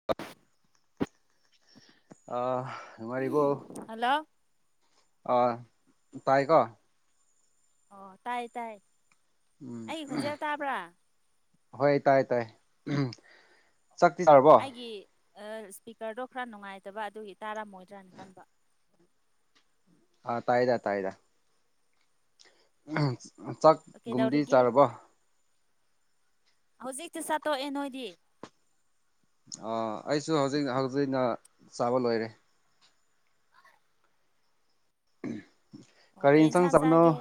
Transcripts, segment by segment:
ꯑ ꯍꯜꯂꯣ ꯑ ꯇꯥꯏꯀꯣ ꯑꯣ ꯇꯥꯏꯌꯦ ꯇꯥꯏ ꯎꯝ ꯑꯩꯒꯤ ꯈꯣꯟꯖꯦꯜ ꯇꯥꯕ꯭ꯔꯥ ꯍꯣꯏ ꯇꯥꯏ ꯇꯥꯏ ꯆꯥꯛꯇꯤ ꯆꯔꯕꯣ ꯑꯩꯒꯤ ꯏꯁꯄꯤꯀꯔꯗꯣ ꯈꯔ ꯅꯨꯡꯉꯥꯏꯇꯕ ꯑꯗꯨꯒꯤ ꯇꯥꯔꯝꯃꯣꯏꯗ꯭ꯔꯅ ꯈꯟꯕ ꯑ ꯇꯥꯏꯗ ꯇꯥꯏꯗ ꯆꯥꯛ ꯀꯩꯗꯧꯔꯤꯒꯦ ꯍꯧꯖꯤꯛꯇꯤ ꯁꯥꯠꯇꯣꯛꯑꯦ ꯅꯣꯏꯗꯤ ꯑꯩꯁꯨ ꯍꯧꯖꯤꯛ ꯍꯧꯖꯤꯛꯅ ꯆꯥꯕ ꯂꯣꯏꯔꯦ ꯑꯣ ꯀꯔꯤ ꯀꯩ ꯏꯟꯁꯥꯡ ꯆꯥꯅꯣ ꯆꯥꯒꯦ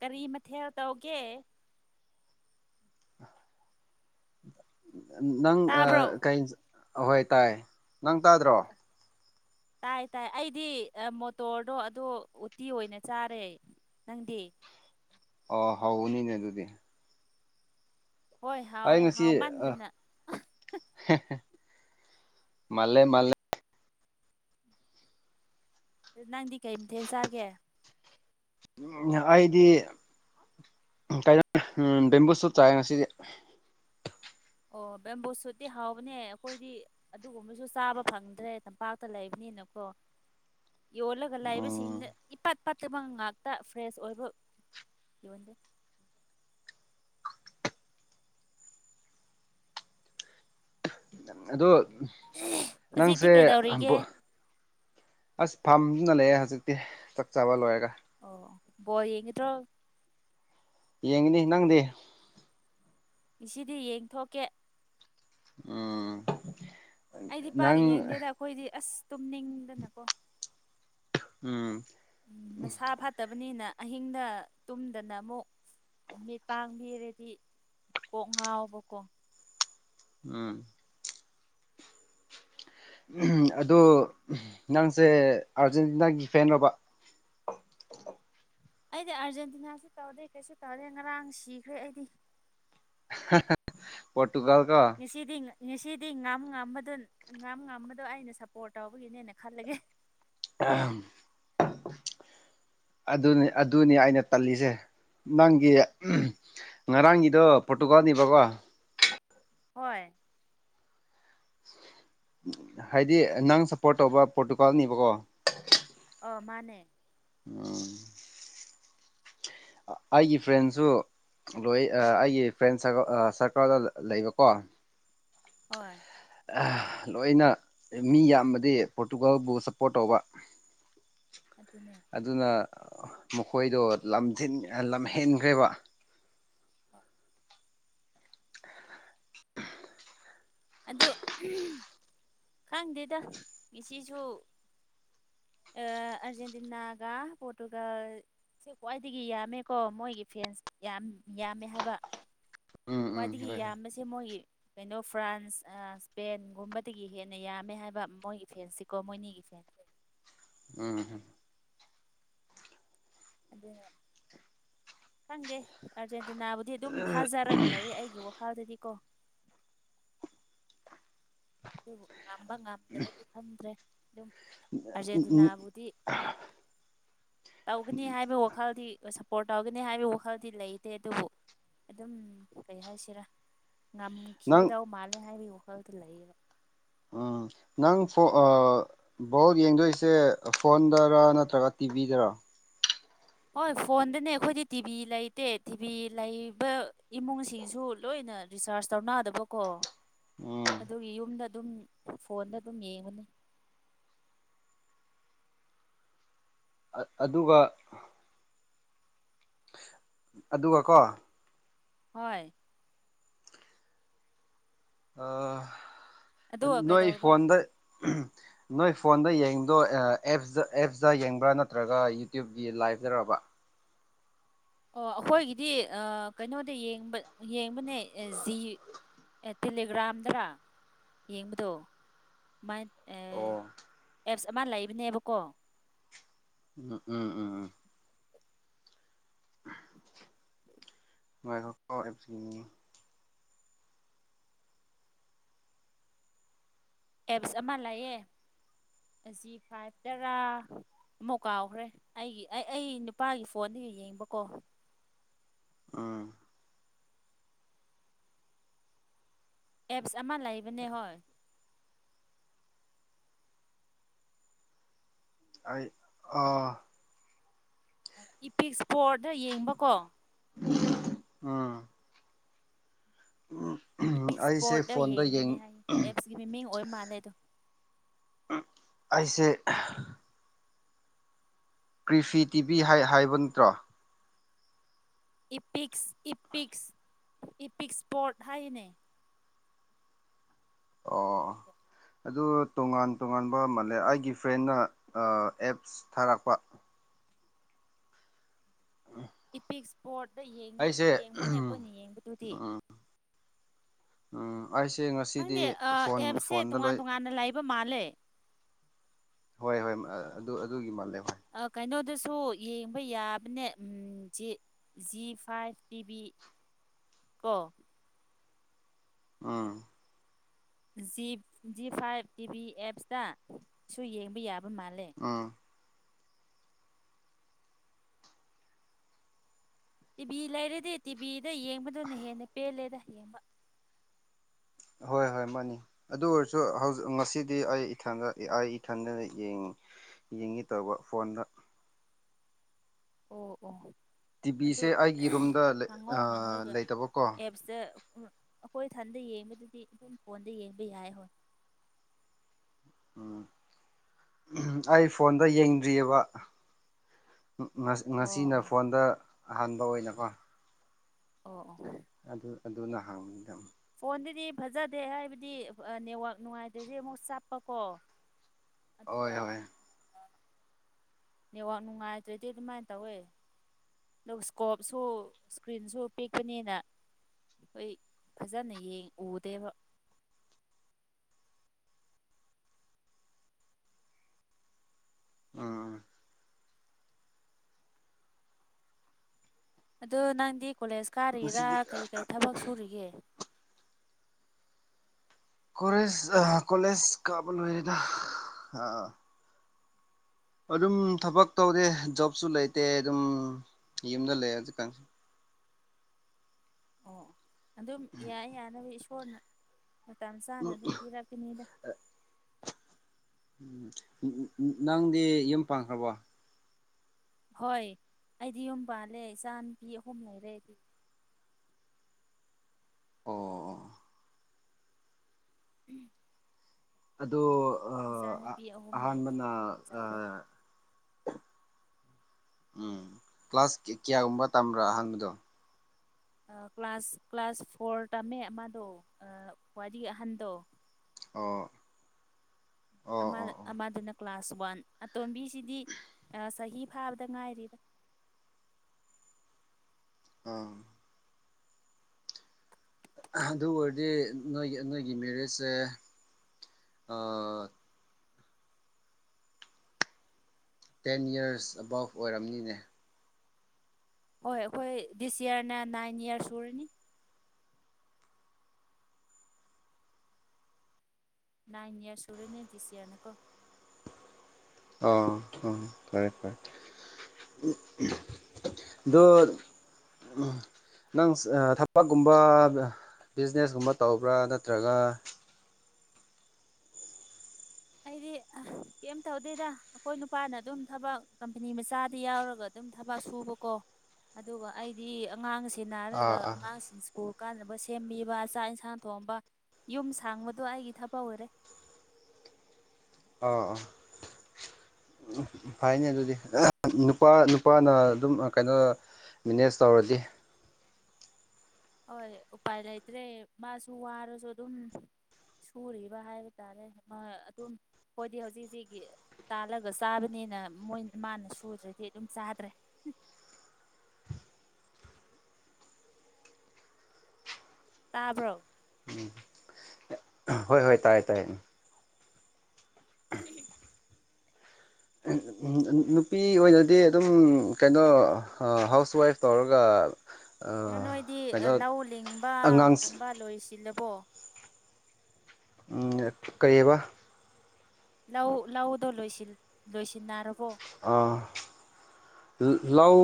ꯀꯔꯤ ꯃꯊꯦꯜ ꯇꯧꯒꯦ ꯅꯪ ꯇꯥꯕ꯭ꯔꯣ ꯀ ꯑꯍꯣꯏ ꯇꯥꯏ ꯅꯪ ꯇꯥꯗ꯭ꯔꯣ ꯇꯥꯏ ꯇꯥꯏ ꯑꯩꯗꯤ ꯃꯣꯇꯣꯔꯗꯣ ꯑꯗꯨꯗꯣ ꯎꯇꯤ ꯑꯣꯏꯅ ꯆꯥꯔꯦ ꯅꯪꯗꯤ ꯑꯣ ꯍꯧꯕꯅꯤꯅꯦ ꯑꯗꯨꯗꯤ ꯍꯣꯏ ꯑꯩ ꯍꯥꯎꯋꯦ ꯉꯁꯤ ꯍꯥꯎ ꯑꯥ ꯃꯥꯟꯗꯅ ꯃꯥꯜꯂꯦ ꯃꯥꯜ ꯅꯪꯗꯤ ꯀꯩ ꯃꯇꯦꯟ ꯆꯥꯒꯦ ꯑꯩꯗꯤ ꯀ ꯕꯦꯝꯕꯨꯁꯁꯨ ꯆꯥꯏ ꯉꯁꯤꯗꯤ ꯑꯣ ꯕꯦꯝꯕꯨ ꯁꯨꯠꯇꯤ ꯍꯥꯎꯕꯅꯦ ꯑꯩꯈꯣꯏꯗꯤ ꯑꯗꯨꯒꯨꯝꯕꯁꯨ ꯆꯥꯕ ꯐꯪꯗ꯭ꯔꯦ ꯇꯝꯄꯥꯛꯇ ꯂꯩꯕꯅꯤꯅꯀꯣ ꯌꯣꯜꯂꯒ ꯎꯝ ꯂꯥꯏꯕꯁꯤꯡꯅ ꯏꯄꯥꯠ ꯄꯠꯇꯕ ꯉꯥꯛꯇ ꯐ꯭ꯔꯦꯁ ꯑꯣꯏꯕ ꯌꯣꯟꯗꯦ ꯑꯗꯣ ꯍꯧꯖꯤꯛꯇꯤ ꯅꯪꯁꯦ ꯀꯩꯗꯧꯔꯤꯒꯦ ꯑꯁ ꯐꯥꯝꯗꯨꯅ ꯂꯩꯌꯦ ꯍꯧꯖꯤꯛꯇꯤ ꯆꯥꯛ ꯆꯕ ꯂꯣꯏꯔꯒ ꯑꯣ ꯕꯣꯜ ꯌꯦꯡꯒꯗꯔꯣ ꯌꯦꯡꯒꯅꯤ ꯅꯪꯗꯤ ꯉꯁꯤꯗꯤ ꯌꯦꯡꯊꯣꯛꯀꯦ ꯎꯝ ꯑꯩꯗꯤ ꯄꯥꯛ ꯅꯪ ꯌꯦꯡꯗꯦꯗ ꯑꯩꯈꯣꯏꯗꯤ ꯑꯁ ꯇꯨꯝꯅꯤꯡꯗꯅꯀꯣ ꯎꯝ ꯎꯝ ꯃꯁꯥ ꯐꯠꯇꯕꯅꯤꯅ ꯑꯍꯤꯡꯗ ꯇꯨꯝꯗꯅ ꯑꯃꯨꯛ ꯃꯤꯠ ꯄꯥꯡꯕꯤꯔꯗꯤ ꯀꯣꯛ ꯉꯥꯎꯕ ꯀꯣ ꯎꯝ ꯑꯗꯨ ꯅꯪꯁꯦ ꯑꯥꯔꯖꯦꯟꯇꯤꯅꯥꯒꯤ ꯐꯦꯟꯔꯕ ꯑꯩꯗꯤ ꯑꯥꯔꯖꯦꯟꯇꯤꯅꯥꯁꯨ ꯇꯧꯗꯦ ꯀꯩꯁꯨ ꯇꯧꯗꯦ ꯉꯔꯥꯡ ꯁꯤꯈ꯭ꯔꯦ ꯑꯩꯗꯤ ꯍꯥꯍꯥ ꯄꯣꯔꯇꯨꯒꯜ ꯀꯣ ꯉꯁꯤꯗꯤ ꯉꯁꯤꯗꯤ ꯉꯥꯝ ꯉꯝꯕꯗꯨ ꯉꯥꯝ ꯉꯝꯕꯗꯣ ꯑꯩꯅ ꯁꯞꯄꯣꯔꯠ ꯇꯧꯕꯒꯤꯅꯦꯅ ꯈꯜꯂꯒꯦ ꯑꯍꯝ ꯑꯗꯨꯅꯤ ꯑꯗꯨꯅꯤ ꯑꯩꯅ ꯇꯜꯂꯤꯁꯦ ꯅꯪꯒꯤ ꯉꯔꯥꯡꯒꯤꯗꯣ ꯄꯣꯔꯇꯨꯒꯜ ꯅꯦꯕꯀꯣ ꯍꯣꯏ ꯍꯥꯏꯗꯤ ꯅꯪ ꯁꯞꯄꯣꯔꯠ ꯇꯧꯕ ꯄꯣꯔꯇꯨꯒꯥꯜꯅꯦꯕꯀꯣ ꯑꯣ ꯃꯥꯅꯦ [inaudible] ꯑꯩꯒꯤ ꯐ꯭ꯔꯦꯟꯁꯨ ꯂꯣꯏ ꯑꯩꯒꯤ ꯐ꯭ꯔꯦꯟ ꯁꯔꯀꯜ ꯁꯔꯀꯜꯗ ꯂꯩꯕꯀꯣ ꯍꯣꯏ ꯑꯥ ꯂꯣꯏꯅ ꯃꯤ ꯌꯥꯝꯕꯗꯤ ꯄꯣꯔꯇꯨꯒꯥꯜꯕꯨ ꯁꯞꯄꯣꯔꯠ ꯇꯧꯕ [inaudible] ꯑꯗꯨꯅꯦ ꯑꯗꯨꯅ ꯃꯈꯣꯏꯗꯣ ꯂꯝꯖꯤꯟ ꯂꯝꯍꯦꯟꯈ꯭ꯔꯦꯕ [inaudible] ꯑꯗꯨ ꯈꯪꯗꯦꯗ ꯉꯁꯤꯁꯨ ꯑꯥ ꯑꯔꯖꯦꯟꯇꯤꯅꯥ ꯒꯥ ꯄꯣꯔꯇꯨꯒꯜ ꯁꯤ ꯈ꯭ꯋꯥꯏꯗꯒꯤ ꯌꯥꯝꯃꯦꯀꯣ ꯃꯣꯏꯒꯤ ꯐꯦꯟꯁ ꯌꯥꯝ ꯌꯥꯝꯃꯦ ꯍꯥꯏꯕ ꯎꯝ ꯎꯝ ꯈ꯭ꯋꯥꯏꯗꯒꯤ ꯍꯣꯏ ꯍꯣꯏ ꯌꯥꯝꯕꯁꯦ ꯃꯣꯏꯒꯤ ꯀꯩꯅꯣ ꯐ꯭ꯔꯥꯟꯁ ꯑꯥ ꯁ꯭ꯄꯦꯟꯒꯨꯝꯕꯗꯒꯤ ꯍꯦꯟꯅ ꯌꯥꯝꯃꯦ ꯍꯥꯏꯕ ꯃꯣꯏꯒꯤ ꯐꯦꯟꯁꯤꯀꯣ ꯃꯣꯏꯅꯤꯒꯤ ꯐꯦꯟꯁ ꯎꯝ ꯑꯗꯨꯅꯦ ꯈꯪꯗꯦ ꯑꯥꯔꯖꯦꯟꯇꯤꯅꯥꯕꯨꯗꯤ ꯑꯗꯨꯝ ꯊꯥꯖꯔꯒ ꯂꯩꯌꯦ ꯑꯩꯒꯤ ꯋꯥꯈꯜꯗꯗꯤ ꯀꯣ ꯑꯗꯨꯕꯨ ꯉꯝꯕ ꯉꯝꯗꯕꯗꯤ ꯈꯪꯗ꯭ꯔꯦ ꯑꯗꯨꯝ ꯎꯝ ꯑꯥꯔꯖꯦꯟꯇꯤꯅꯥꯕꯨꯗꯤ ꯇꯧꯒꯅꯤ ꯍꯥꯏꯕꯒꯤ ꯋꯥꯈꯜꯗꯤ ꯁꯞꯄꯣꯔꯠ ꯇꯧꯒꯅꯤ ꯍꯥꯏꯕꯒꯤ ꯋꯥꯈꯜꯗꯤ ꯂꯩꯇꯦ ꯑꯗꯨꯕꯨ ꯑꯗꯨꯝ ꯀꯩ ꯍꯥꯏꯁꯤꯔꯥ ꯅꯪ ꯉꯝꯈꯤꯒꯗꯧ ꯃꯥꯜꯂꯦ ꯍꯥꯏꯕꯒꯤ ꯋꯥꯈꯜꯗ ꯂꯩꯌꯦꯕ ꯎꯝ ꯅꯪ ꯐꯣ ꯕꯣꯜ ꯌꯦꯡꯗꯣꯏꯁꯦ ꯐꯣꯟꯗꯔ ꯅꯠꯇ꯭ꯔꯒ ꯇꯤꯕꯤꯗꯔꯥ ꯍꯣꯏ ꯐꯣꯟꯗꯅꯦ ꯑꯩꯈꯣꯏꯗꯤ ꯇꯤꯚꯤ ꯂꯩꯇꯦ ꯇꯤꯚꯤ ꯂꯩꯕ ꯏꯃꯨꯡꯁꯤꯡꯁꯨ ꯂꯣꯏꯅ ꯔꯤꯆꯥꯥꯔ꯭ꯖ ꯇꯧꯅꯗꯕ ꯀꯣ [inaudible] ꯑꯗꯨꯒꯤ ꯌꯨꯝꯗ ꯑꯗꯨꯝ ꯐꯣꯟꯗ ꯑꯗꯨꯝ ꯌꯦꯡꯑꯅꯤ ꯑ ꯑꯗꯨꯒ ꯑꯗꯨꯒ ꯀꯣ ꯍꯣꯏ ꯑꯥ ꯑꯗꯨꯒ ꯅꯣꯏ ꯀꯩꯗꯧꯔꯕ ꯐꯣꯟꯗ ꯅꯣꯏ ꯐꯣꯟꯗ ꯌꯦꯡꯗꯣ ꯑꯦꯞꯁꯇ ꯑꯦꯞꯁꯇ ꯌꯦꯡꯕ꯭ꯔꯥ ꯅꯠꯇ꯭ꯔꯒ ꯌꯨꯇ꯭ꯌꯨꯕꯀꯤ ꯂꯥꯏꯞꯇꯔꯕ ꯑꯣ ꯑꯩꯈꯣꯏꯒꯤꯗꯤ ꯀꯩꯅꯣꯗ ꯌꯦꯡꯕ ꯌꯦꯡꯕꯅꯦ ꯖꯤ ꯑꯦ ꯇꯦꯂꯤꯒ꯭ꯔꯥꯝꯗ꯭ꯔ ꯌꯦꯡꯕꯗꯣ ꯁꯃꯥꯏꯅ ꯑꯣ ꯑꯦꯞꯁ ꯑꯃ ꯂꯩꯕꯅꯦꯕꯀꯣ ꯎꯝ ꯎꯝ ꯎꯝ ꯎꯝ [inaudible] ꯑꯦꯞꯁ ꯑꯃ ꯂꯩꯌꯦ ꯖꯤ ꯐꯥꯏꯚ ꯇꯔꯥ꯫ ꯑꯃꯨꯛ ꯀꯥꯎꯈ꯭ꯔꯦ ꯑꯩꯒꯤ ꯑꯩ ꯑꯩ ꯅꯨꯄꯥꯒꯤ ꯐꯣꯟꯗꯨꯒ ꯌꯦꯡꯕꯀꯣ꯫ ꯎꯝ꯫ ꯑꯦꯞꯁ ꯑꯃ ꯂꯩꯕꯅꯦ ꯍꯣꯏ꯫ ꯑꯩ ꯑꯣ꯫ ꯏꯄꯤꯛ ꯏꯁꯄꯣꯔꯗ ꯌꯦꯡꯕꯀꯣ꯫ ꯎꯝ꯫ ꯎꯝ꯫ ꯏꯄꯤꯛ ꯏꯁꯄꯣꯔꯠꯇ ꯌꯦꯡꯕꯅꯦ ꯍꯥꯏꯌꯦ ꯑꯦꯞꯁꯀꯤ ꯃꯤꯃꯤꯡ ꯑꯣꯏ ꯃꯥꯜꯂꯦ ꯑꯗꯣ꯫ ꯑꯩꯁꯦ꯫ ꯀ꯭ꯔꯤꯐꯤ ꯇꯤꯚꯤ ꯍꯥꯏꯕ ꯅꯠꯇ꯭ꯔꯣ꯫ ꯏꯄꯤꯛꯁ ꯏꯄꯤꯛꯁ ꯏꯄꯤꯛꯁꯄꯣꯔꯠ ꯍꯥꯏꯅꯦ꯫ ꯑꯣ꯫ ꯑꯗꯨ ꯇꯣꯉꯥꯟ ꯇꯣꯉꯥꯟꯕ ꯃꯥꯂꯦ ꯑꯩꯒꯤ ꯐ꯭ꯔꯦꯟꯅ ꯑꯦꯞꯁ ꯊꯥꯔꯛꯄ꯫ ꯏꯄꯤꯛ ꯏꯁꯄꯣꯔꯗ ꯌꯦꯡꯉꯦ ꯑꯩꯁꯦ ꯌꯦꯡꯕꯅꯦ ꯎꯝ ꯑꯩꯈꯣꯏꯅ ꯌꯦꯡꯕꯗꯨꯗꯤ꯫ ꯎꯝ ꯑꯩꯁꯦ ꯉꯁꯤꯗꯤ ꯈꯪꯗꯦ ꯐꯣꯟ ꯐꯣꯟꯗ ꯂꯣꯏ ꯃꯥꯂꯦ ꯍꯣꯏ ꯍꯣꯏ ꯑꯗꯨ ꯑꯗꯨꯒꯤ ꯃꯥꯜꯂꯦ ꯍꯣꯏ ꯑ ꯀꯩꯅꯣꯗꯁꯨ ꯌꯦꯡꯕ ꯌꯥꯕꯅꯦ ꯎꯝ G G five T V ꯀꯣ꯫ ꯎꯝ꯫ ꯖꯤ ꯖꯤ ꯐꯥꯏꯚ ꯇꯤꯚꯤ ꯑꯦꯞꯁꯇ ꯁꯨ ꯌꯦꯡꯕ ꯌꯥꯕ ꯃꯥꯜꯂꯦ꯫ ꯎꯝ꯫ ꯇꯤꯚꯤ ꯂꯩꯔꯗꯤ ꯇꯤꯚꯤꯗ ꯌꯦꯡꯕꯗꯨꯅ ꯍꯦꯟꯅ ꯄꯦꯜꯂꯦꯗ ꯌꯦꯡꯕ꯫ ꯍꯣꯏ ꯍꯣꯏ ꯃꯥꯅꯤ꯫ ꯑꯗꯨ ꯑꯣꯏꯔꯁꯨ ꯍꯧꯖꯤꯛ ꯉꯁꯤꯗꯤ ꯑꯩ ꯏꯊꯟꯗ ꯑꯩ ꯏꯊꯟꯗꯅ ꯌꯦꯡꯉꯤ꯫ ꯌꯦꯡꯉꯤ ꯇꯧꯕ ꯐꯣꯟꯗ꯫ ꯑꯣ ꯑꯣ꯫ ꯑꯗꯨ ꯇꯤꯚꯤꯁꯦ ꯑꯩꯒꯤ ꯔꯨꯝꯗ ꯍꯥꯡꯎ ꯍꯥꯡꯒ ꯂꯩꯇꯕꯀꯣ ꯑꯦꯞꯁꯇ ꯑꯩꯈꯣꯏ ꯏꯊꯟꯗ ꯌꯦꯡꯕꯗꯨꯗꯤ ꯑꯗꯨꯝ ꯐꯣꯟꯗ ꯌꯦꯡꯕ ꯌꯥꯏ ꯍꯣꯏ꯫ ꯎꯝ ꯎꯝ ꯑꯩ ꯐꯣꯟꯗ ꯌꯦꯡꯗ꯭ꯔꯤꯑꯕ꯫ ꯑꯣ ꯉꯁꯤꯅ ꯑꯣ ꯐꯣꯟꯗ ꯑꯍꯥꯟꯕ ꯑꯣꯏꯅꯀꯣ ꯑꯣ ꯑꯣ ꯑꯗꯨ ꯑꯗꯨ ꯅꯍꯥꯡꯅꯤꯗ ꯐꯣꯟꯗꯨꯗꯤ ꯐꯖꯗꯦ ꯍꯥꯏꯕꯗꯤ ꯅꯦꯠꯋꯥꯛ ꯅꯨꯡꯉꯥꯏꯇ꯭ꯔꯁꯦ ꯑꯃꯨꯛ ꯆꯠꯄꯀꯣ꯫ ꯍꯣꯏ ꯍꯣꯏ꯫ ꯅꯦꯋꯥꯛ ꯅꯨꯡꯉꯥꯏꯇ꯭ꯔꯗꯤ ꯑꯗꯨꯃꯥꯏꯅ ꯇꯧꯋꯦ꯫ ꯑꯗꯨꯒ ꯏꯁꯀꯣꯞꯁꯨ ꯏꯁꯀ꯭ꯔꯤꯟꯁꯨ ꯄꯤꯛꯄꯅꯤꯅ꯫ ꯍꯣꯏ ꯐꯖꯅ ꯌꯦꯡ ꯎꯗꯦꯕ꯫ ꯎꯝ꯫ ꯑꯗꯣ ꯅꯪꯗꯤ ꯀꯣꯂꯦꯖ ꯀꯥꯔꯤꯔꯥ ꯉꯁꯤꯗꯤ ꯀꯩ ꯀꯩ ꯊꯕꯛ ꯁꯨꯔꯤꯒꯦ꯫ ꯀꯣꯂꯦꯖ ꯀꯣꯂꯦꯖ ꯀꯥꯕ ꯂꯣꯏꯔꯦꯗ꯫ ꯑꯗꯨꯝ ꯊꯕꯛ ꯇꯧꯗꯦ ꯖꯣꯕꯁꯨ ꯂꯩꯇꯦ ꯑꯗꯨꯝ ꯌꯨꯝꯗ ꯂꯩ ꯍꯧꯖꯤꯛꯀꯥꯟꯁꯨ ꯑꯣ ꯑꯗꯨꯝ ꯌꯥꯏ ꯌꯥꯅꯕ ꯏꯁꯣꯔꯅ ꯃꯇꯝ ꯆꯥꯅ ꯑꯗꯨꯝ ꯄꯤꯔꯛꯀꯅꯤꯗ꯫ ꯎꯝ ꯅꯪꯗꯤ ꯌꯨꯝ ꯄꯥꯟꯈ꯭ꯔꯕꯣ꯫ ꯍꯣꯏ ꯑꯩꯗꯤ ꯌꯨꯝ ꯄꯥꯜꯂꯦ ꯏꯆꯥ ꯅꯨꯨꯄꯤ ꯑꯍꯨꯝ ꯂꯩꯔꯦ ꯑꯩꯗꯤ꯫ ꯑꯣ꯫ ꯎꯝ꯫ ꯑꯗꯣ ꯏꯆꯥ ꯅꯨꯨꯄꯤ ꯑꯍꯨꯝ ꯂꯩꯔꯦ ꯑꯍꯥꯟꯕꯅ ꯌꯥꯝ ꯌꯥꯝ ꯑ ꯆꯥꯎꯔꯦ ꯎꯝ ꯀ꯭ꯂꯥꯁ ꯀꯌꯥꯒꯨꯝꯕ ꯇꯝꯕ꯭ꯔꯥ ꯑꯍꯥꯟꯕꯗꯣ꯫ ꯀ꯭ꯂꯥꯁ ꯀ꯭ꯂꯥꯁ ꯐꯣꯔ ꯇꯝꯃꯦ ꯑꯃꯗꯣ ꯋꯥꯔꯤ ꯑꯍꯟꯗꯣ ꯑꯣ ꯑꯣ ꯑꯣ ꯑꯃꯗꯨꯅ ꯀ꯭ꯂꯥꯁ ꯋꯥꯟ ꯑꯇꯣꯝꯕꯤꯁꯤꯗꯤ ꯆꯍꯤ ꯐꯥꯕꯗ ꯉꯥꯏꯔꯤꯗ ꯑꯥ ꯑꯗꯨ ꯑꯣꯏꯔꯗꯤ ꯅꯣꯏꯒꯤ ꯅꯣꯏꯒꯤ ꯃꯦꯔꯤꯖꯁꯦ ꯑ ꯇꯦꯟ ꯌꯔꯁ ꯑꯕꯥꯎꯠ ꯑꯣꯏꯔꯝꯅꯤꯅꯦ ꯍꯣꯏ ꯑꯩꯈꯣꯏ ꯗꯤꯁ ꯏꯌꯔꯅ ꯅꯥꯏꯟ ꯏꯌꯔ ꯁꯨꯔꯅꯤ ꯅꯥꯏꯟ ꯏꯌꯔꯁ ꯁꯨꯔꯅꯤ ꯗꯤꯁ ꯏꯌꯔꯅ ꯀꯣ ꯑꯥ ꯑꯥ ꯐꯔꯦ ꯐꯔꯦ [unintelligible] ꯅꯪ ꯊꯕꯛꯀꯨꯝꯕ ꯕꯤꯖꯤꯅꯦꯁꯀꯨꯝꯕ ꯇꯧꯕ꯭ꯔꯥ ꯅꯠꯇ꯭ꯔꯒ ꯑꯩꯗꯤ ꯑ ꯀꯔꯤꯝ ꯇꯧꯗꯦꯗ ꯑꯩꯈꯣꯏ ꯅꯨꯄꯥꯅ ꯑꯗꯨꯝ ꯊꯕꯛ ꯀꯝꯄꯅꯤ ꯃꯆꯥꯗ ꯌꯥꯎꯔꯒ ꯑꯗꯨꯝ ꯊꯕꯛ ꯁꯨꯕꯀꯣ ꯑꯗꯨꯒ ꯑꯩꯗꯤ ꯑꯉꯥꯡ ꯑꯥ ꯁꯦꯅꯥꯔꯒ ꯑꯥ ꯑꯉꯥꯡꯁꯤꯡ ꯁ꯭ꯀꯨꯟ ꯀꯥꯟꯅꯕ ꯁꯦꯝꯕꯤꯕ ꯆꯥꯛ ꯏꯟꯁꯥꯡ ꯊꯣꯡꯕ ꯌꯨꯝ ꯁꯥꯡꯕꯗꯣ ꯑꯩꯒꯤ ꯊꯕꯛ ꯑꯣꯏꯔꯦ ꯑꯥ ꯑꯥ ꯎꯝ ꯐꯪꯅꯦ ꯑꯗꯨꯗꯤ [unintelligible] ꯅꯨꯄꯥ ꯅꯨꯄꯥꯅ ꯑꯗꯨꯝ ꯀꯩꯅꯣ ꯃꯦꯅꯦꯖ ꯇꯧꯔꯗꯤ ꯍꯣꯏ ꯎꯄꯥꯏ ꯂꯩꯇ꯭ꯔꯦ ꯃꯥꯁꯨ ꯋꯥꯔꯁꯨ ꯑꯗꯨꯝ ꯁꯨꯔꯤꯕ ꯍꯥꯏꯕ ꯇꯥꯔꯦ ꯑꯗꯨꯝ ꯑꯈꯣꯏꯗꯤ ꯍꯧꯖꯤꯛ ꯍꯧꯖꯤꯛꯀꯤ ꯇꯥꯜꯂꯒ ꯆꯥꯕꯅꯦꯅ ꯃꯣꯏ ꯃꯥꯅ ꯁꯨꯗ꯭ꯔꯗꯤ ꯑꯗꯨꯝ ꯆꯥꯗ꯭ꯔꯦ ꯇꯥꯕꯔꯣ ꯍꯣꯏ ꯍꯣꯏ ꯇꯥꯏꯑꯦ ꯇꯥꯏꯑꯦ ꯎꯝ [unintelligible] ꯅꯨꯄꯤ ꯑꯣꯏꯔꯗꯤ ꯑꯗꯨꯝ ꯀꯩꯅꯣ ꯍꯥꯎꯁ ꯋꯥꯏꯐ ꯇꯧꯔꯒ ꯑꯗꯨ ꯅꯣꯏꯗꯤ ꯀꯩꯅꯣ ꯂꯧ ꯑꯉꯥꯡ ꯂꯤꯡꯕꯒꯨꯝꯕ ꯂꯣꯏꯁꯤꯜꯂꯕꯣ ꯑꯝ ꯀꯩꯑꯕ ꯂꯧ ꯂꯧꯗꯣ ꯂꯣꯏꯁꯤꯟꯅꯔꯕꯣ ꯑꯥ ꯂꯧ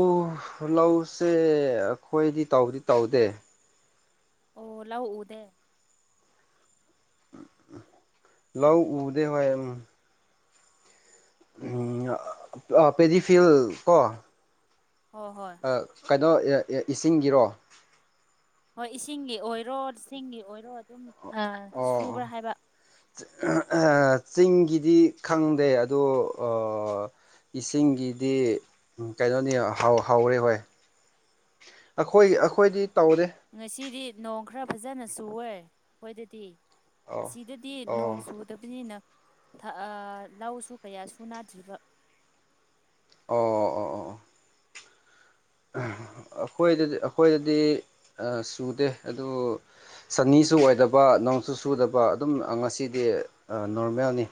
ꯂꯧꯁꯦ ꯑꯩꯈꯣꯏꯗꯤ ꯇꯧꯗꯤ ꯇꯧꯗꯦ ꯑꯣ ꯂꯧꯎꯗꯦ ꯂꯧ ꯎꯗꯦ ꯍꯣꯏ ꯎꯡ ꯑꯝ ꯑ ꯄꯦꯗꯤꯐꯤꯜ ꯀꯣ ꯍꯣꯏ ꯍꯣꯏ ꯀꯩꯅꯣ ꯑ ꯑ ꯏꯁꯤꯡꯒꯤꯔꯣ ꯍꯣꯏ ꯏꯁꯤꯡꯒꯤ ꯑꯣꯏꯔꯣ ꯆꯤꯡꯒꯤ ꯑꯣꯏꯔꯣ ꯑꯗꯨꯝꯑꯥ ꯁꯨꯕ꯭ꯔꯥ ꯑꯣ ꯍꯥꯏꯕ [unintelligible] ꯆꯤꯡꯒꯤꯗꯤ ꯈꯪꯗꯦ ꯑꯗꯣ ꯑ ꯏꯁꯤꯡꯒꯤꯗꯤ ꯀꯩꯅꯣꯅꯤ ꯍꯧ ꯍꯧꯔꯦ ꯍꯣꯏ ꯑꯩꯈꯣꯏ ꯑꯩꯈꯣꯏꯗꯤ ꯇꯧꯗꯦ ꯉꯁꯤꯗꯤ ꯅꯣꯡ ꯈꯔ ꯐꯖꯅ ꯆꯨꯋꯦ ꯑꯩꯈꯣꯏꯗꯗꯤ ꯑꯣ ꯑꯁꯤꯗꯗꯤ ꯑꯣ ꯅꯣꯡ ꯆꯨꯗꯕꯅꯤꯅ ꯊꯥ ꯑꯥ ꯂꯧꯁꯨ ꯀꯌꯥ ꯁꯨ ꯅꯥꯗ꯭ꯔꯤꯕ ꯑꯣ ꯑꯣ ꯑꯣ ꯑꯩꯈꯣꯏꯗꯗꯤ ꯑꯩꯈꯣꯏꯗꯗꯤ ꯆꯨꯗꯦ ꯑꯗꯨ ꯁꯅꯤꯁꯨ ꯑꯣꯏꯗꯕ ꯅꯣꯡꯁꯨ ꯆꯨꯗꯕ ꯑꯗꯨꯝ ꯉꯁꯤꯗꯤ ꯅꯣꯔꯃꯦꯜꯅꯤ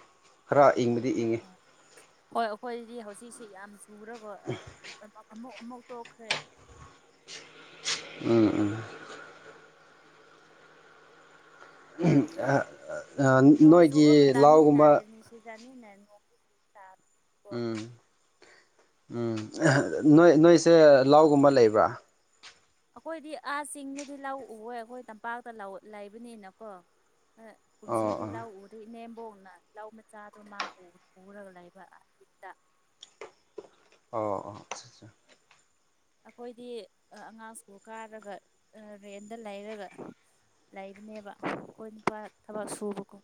ꯈꯔ ꯏꯪꯕꯗꯤ ꯏꯪꯉꯤ ꯍꯣꯏ ꯑꯩꯈꯣꯏꯗꯤ ꯍꯧꯖꯤꯛꯁꯤ ꯌꯥꯝ ꯆꯨꯔꯒ ꯑꯃꯨꯛ ꯑꯃꯨꯛ ꯇꯣꯛꯈ꯭ꯔꯦ ꯎꯝ ꯎꯝ ꯅꯣꯏꯒꯤ ꯂꯥꯎꯒꯨꯝꯕ ꯁꯤꯖꯅꯤꯅꯦ ꯅꯣꯡ ꯁꯥ ꯎꯝ ꯎꯝ ꯅꯣꯏ ꯅꯣꯏꯁꯦ ꯂꯥꯎꯒꯨꯝꯕ ꯂꯩꯕ꯭ꯔꯥ ꯑꯩꯈꯣꯏꯗꯤ ꯑꯥ ꯆꯤꯡꯗꯗꯤ ꯂꯧꯎꯑꯦ ꯑꯩꯈꯣꯏ ꯇꯝꯄꯥꯛꯇ ꯂꯩꯕꯅꯤꯅꯀꯣ ꯑꯣ ꯀꯨꯝꯁꯤꯗꯤ ꯑꯣ ꯂꯧ ꯎꯗꯩ ꯏꯅꯦꯝꯕꯣꯛꯅ ꯂꯧ ꯃꯆꯥꯗꯣ ꯃꯆꯥꯗꯣ ꯃꯥ ꯎꯔꯒ ꯂꯩꯕ ꯑꯖꯤꯛꯇ ꯑꯣ ꯑꯣ ꯑ ꯑꯆꯥ ꯑꯩꯈꯣꯏꯗꯤ ꯑꯉꯥꯡ ꯁ꯭ꯀꯨꯜ ꯀꯥꯔꯒ ꯔꯦꯟꯗ ꯂꯩꯔꯒ ꯂꯩꯕꯅꯦꯕ ꯑꯩꯈꯣꯏ ꯅꯨꯄꯥ ꯊꯕꯛ ꯁꯨꯕꯀꯣ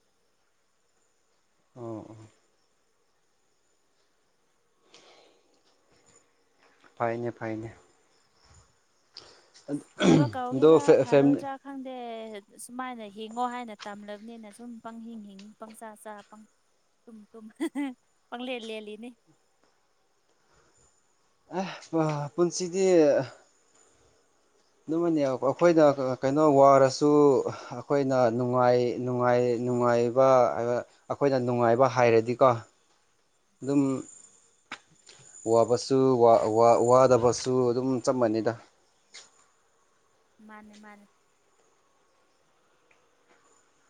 ꯑ ꯑꯥꯍ ꯐꯥꯏꯅꯦ ꯐꯥꯏꯅꯦ ꯐꯥꯕ ꯀꯧꯒꯦ ꯑꯗꯣ ꯐꯦꯃꯤꯂꯤ ꯐꯔꯣꯗ꯭ꯔꯥ ꯈꯪꯗꯦ ꯁꯨꯃꯥꯏꯅ ꯍꯤꯡꯉꯣ ꯍꯥꯏꯅ ꯇꯝꯂꯕꯅꯤꯅ ꯁꯨꯝ ꯄꯪ ꯍꯤꯡ ꯍꯤꯡ ꯄꯪꯆꯥ ꯆꯥ ꯇꯨꯝ ꯇꯨꯝ ꯄꯪꯂꯦꯜ ꯂꯦꯂꯤꯅꯤ ꯑꯦ ꯄꯨꯟꯁꯤꯗꯤ ꯑꯗꯨꯃꯅꯦ ꯑꯩꯈꯣꯏꯗ ꯀꯩꯅꯣ ꯋꯥꯔꯁꯨ ꯑꯩꯈꯣꯏꯅ ꯅꯨꯡꯉꯥꯏꯅꯨꯡꯉꯥꯏ ꯅꯨꯡꯉꯥꯏꯕ ꯑꯩꯈꯣꯏꯅ ꯅꯨꯡꯉꯥꯏꯕ ꯍꯥꯏꯔꯗꯤꯀꯣ ꯑꯗꯨꯝ‌ ꯋꯥꯕꯁꯨ ꯋꯥꯗꯕꯁꯨ ꯑꯗꯨꯝ ꯆꯞ ꯃꯥꯟꯅꯩꯗ꯫ ꯃꯥꯅꯦ ꯃꯥꯅꯦ꯫